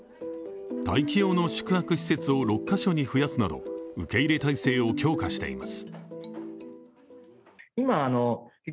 待機用の宿泊施設を６カ所に増やすなど受け入れ体制を強化しています。